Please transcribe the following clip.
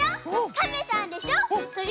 かめさんでしょ